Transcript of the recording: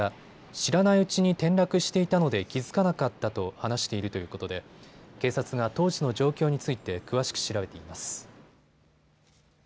知らないうちに転落していたので気付かなかったと話しているということで警察が当時の状況について詳しく調べています。